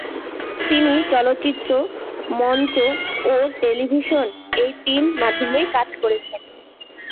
তিনি চলচ্চিত্র, মঞ্চ ও টেলিভিশন এই তিন মাধ্যমেই কাজ করেছেন।